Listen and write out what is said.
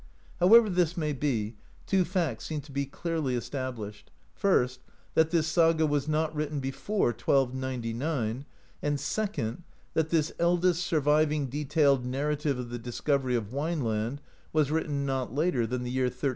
However this may be, two facts seem to be clearly established, first, that this saga was not written before 1299, and second, that this eldest surviving detailed narrative of the discovery of Wineland was written not later than the year 1334.